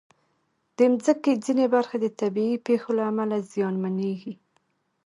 د مځکې ځینې برخې د طبعي پېښو له امله زیانمنېږي.